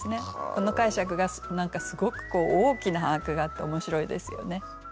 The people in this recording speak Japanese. この解釈が何かすごく大きな把握があって面白いですよね。